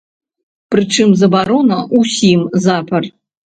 Прычым, забарона ўсім запар.